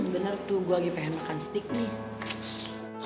bener tuh gue lagi pengen makan steak nih